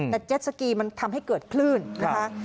แต่เจ็ดสกีมันทำให้เกิดคลื่นนะคะ